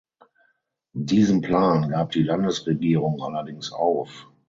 Diesen Plan gab die Landesregierung allerdings auf.